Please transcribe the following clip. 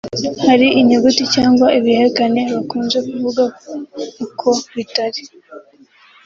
hari inyuguti cyangwa ibihekane bakunze kuvuga uko bitari